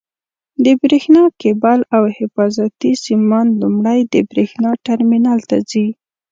د برېښنا کېبل او حفاظتي سیمان لومړی د برېښنا ټرمینل ته ځي.